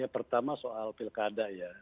pertama soal pilkada ya